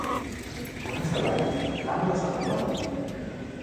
हुन्छ भाइ, राम्रो सँग पढ ।